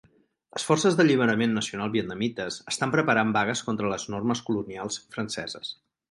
Les forces d'alliberament nacional vietnamites estan preparant vagues contra les normes colonials franceses.